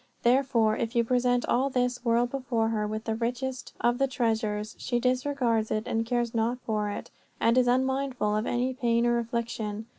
Therefore, if you present all this world before her, with the richest of its treasures, she disregards it and cares not for it, and is unmindful of any pain or affliction.